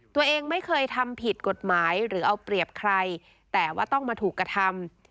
ตัวเองไม่เคยทำผิดกฎหมายหรือเอาเปรียบใครแต่ว่าต้องมาถูกกระทำ